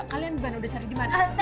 kalian gimana udah cari gimana